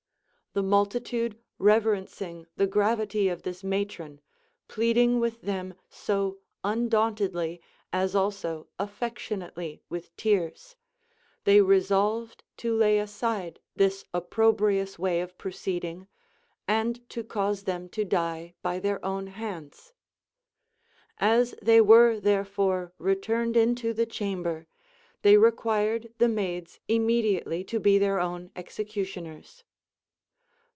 The multitude reverencing the gravity of this CONCERNING THE VIRTUES OF WOMEN. 363 matron, pleading with them so undauntedly as alsa affec tionately Avith tears, they resolved to lay aside this oppro brious way of proceeding, and to cause them to die by their own hands. As they weve therefore returned into the chamber, they required the maids immediately to be their own executioners.